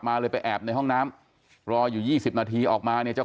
เลยไปแอบในห้องน้ำรออยู่๒๐นาทีออกมาเนี่ยเจ้า